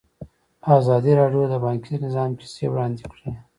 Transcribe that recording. ازادي راډیو د بانکي نظام کیسې وړاندې کړي.